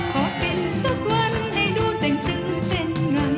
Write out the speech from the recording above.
ขออินสักวันให้ดูแต่งตื่นเป็นไง